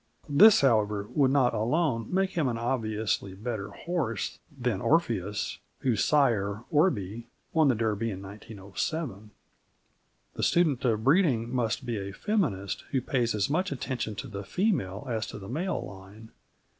This, however, would not alone make him an obviously better horse than Orpheus, whose sire, Orby, won the Derby in 1907. The student of breeding must be a feminist, who pays as much attention to the female as to the male line.